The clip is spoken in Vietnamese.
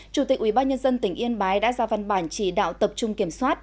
chủ tịch ubnd tỉnh yên bái đã ra văn bản chỉ đạo tập trung kiểm soát